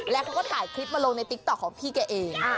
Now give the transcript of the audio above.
แล้วเขาก็ถ่ายคลิปมาลงในติ๊กต๊อกของพี่แกเอง